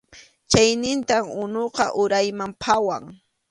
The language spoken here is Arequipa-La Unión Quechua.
Chayninta unuqa urayman phawan.